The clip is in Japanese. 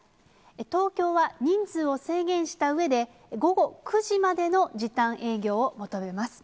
東京は、人数を制限したうえで、午後９時までの時短営業を求めます。